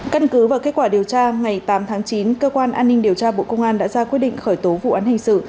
căn cứ vào kết quả điều tra ngày tám tháng chín cơ quan an ninh điều tra bộ công an đã ra quyết định khởi tố vụ án hình sự